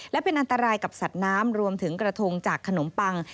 และเป็นอันตรายกับสัตว์น้ำรวมถึงกระทงจากขนมปัง